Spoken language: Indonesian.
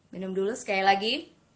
binum dulu sekali lagi